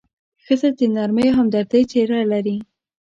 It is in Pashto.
ښځه د نرمۍ او همدردۍ څېره لري.